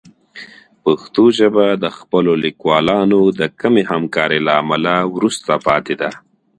پښتو ژبه د خپلو لیکوالانو د کمې همکارۍ له امله وروسته پاتې ده.